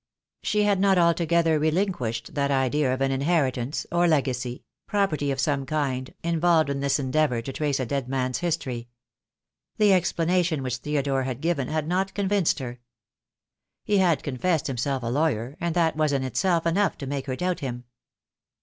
She had not altogether re linquished that idea of an inheritance, or legacy — pro perty of some kind — involved in this endeavour to trace a dead man's history. The explanation which Theodore had given had not convinced her. He had confessed himself a lawyer, and that was in itself enough to make her doubt him.